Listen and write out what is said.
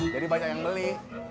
jadi banyak yang beli